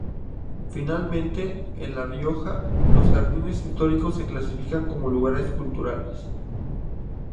Finalmente, en La Rioja, los jardines históricos se clasifican como lugares culturales.